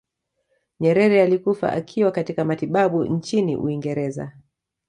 nyerere alikufa akiwa katika matibabu nchini uingereza